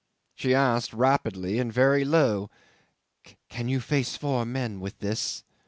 'She asked rapidly and very low, "Can you face four men with this?"